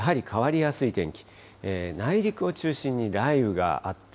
あすは変わりやすい天気。